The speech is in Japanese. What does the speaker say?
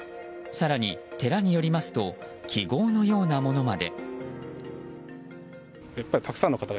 更に寺によりますと記号のようなものまで。